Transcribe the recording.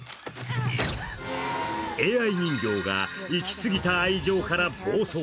ＡＩ人形がいき過ぎた愛情から暴走。